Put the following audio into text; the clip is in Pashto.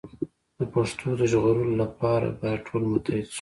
د پښتو د ژغورلو لپاره باید ټول متحد شو.